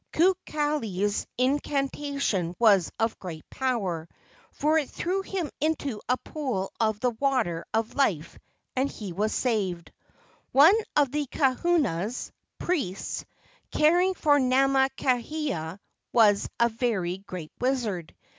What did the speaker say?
Kukali's incantation was of great power, for it threw him into a pool of the water of life and he was saved. One of the kahunas (priests) caring for Nama kaeha was a very great wizard.